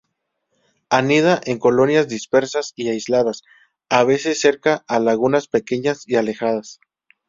Anida en colonias dispersas y aisladas, a veces cerca a lagunas pequeñas y alejadas.